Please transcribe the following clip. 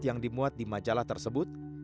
yang dimuat di majalah tersebut